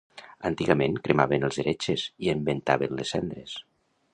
Antigament cremaven els heretges i en ventaven les cendres.